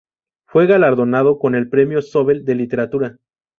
Fue galardonado con el Premio Zóbel de Literatura.